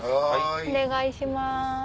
お願いします。